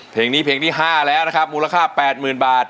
เพลงนี้เพลงที่๕แล้วนะครับมูลค่า๘๐๐๐บาท